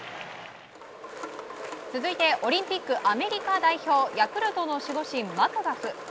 続いて、オリンピックアメリカ代表ヤクルトの守護神、マクガフ。